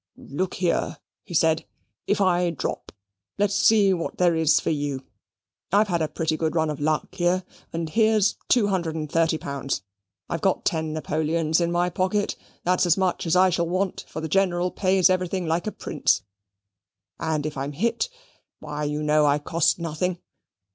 "Look here," said he. "If I drop, let us see what there is for you. I have had a pretty good run of luck here, and here's two hundred and thirty pounds. I have got ten Napoleons in my pocket. That is as much as I shall want; for the General pays everything like a prince; and if I'm hit, why you know I cost nothing.